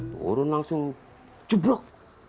turun langsung cubrok